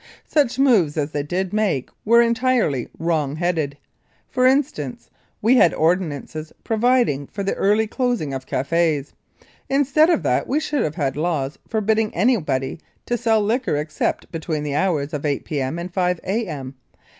Such moves as they did make were entirely wrong headed. For instance, we had ordinances providing for the early closing of cafés. Instead of that we should have had laws forbidding anybody to sell liquor except between the hours of 8 P.M. and 5 A.M.